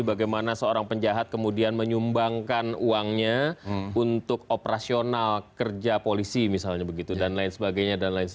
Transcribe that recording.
bagaimana seorang penjahat kemudian menyumbangkan uangnya untuk operasional kerja polisi misalnya begitu dan lain sebagainya